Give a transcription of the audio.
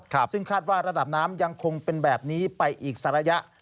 ซึ่งคาดว่าระดับน้ำยังคงเป็นแบบนี้ไปอีกสักระยะ